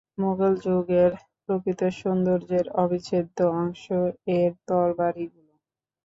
মুঘল যুগের প্রকৃত সৌন্দর্যের অবিচ্ছেদ্য অংশ এর তরবারিগুলো।